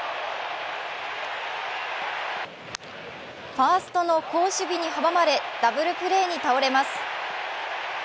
ファーストの好守備に阻まれ、ダブルプレーに倒れます。